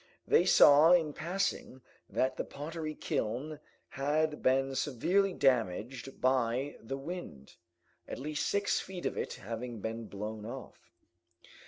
They saw in passing that the pottery kiln had been severely damaged by the wind, at least six feet of it having been blown off.